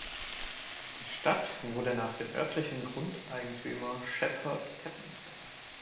Die Stadt wurde nach dem örtlichen Grundeigentümer Sheppard Tappen benannt.